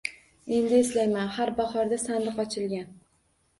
Endi eslayman, har bahorda sandiq ochilgan.